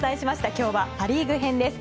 今日はパ・リーグ編です。